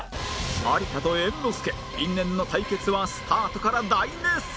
有田と猿之助因縁の対決はスタートから大熱戦！